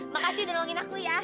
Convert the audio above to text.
makasih udah doangin aku ya